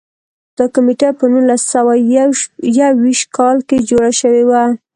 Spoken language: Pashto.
دا کمېټه په نولس سوه یو ویشت کال کې جوړه شوې وه.